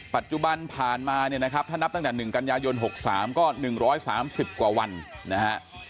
ปัจจุบันผ่านมาเนี่ยนะครับถ้านับตั้งแต่หนึ่งกัญญายนหกสามก็หนึ่งร้อยสามสิบกว่าวันนะฮะ